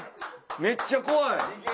めっちゃ怖い！